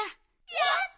やった！